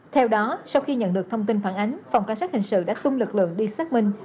theo đó sau khi nhận được thông tin phản ánh phòng cảnh sát hình sự đã tung lực lượng đi xác minh